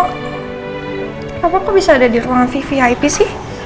papa kok bisa ada di ruangan vivi ip sih